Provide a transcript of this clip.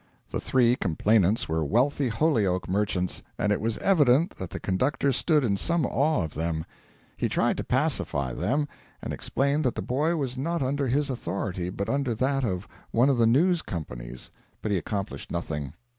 The three complainants were wealthy Holyoke merchants, and it was evident that the conductor stood in some awe of them. He tried to pacify them, and explained that the boy was not under his authority, but under that of one of the news companies; but he accomplished nothing.